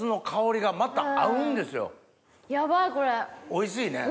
おいしい！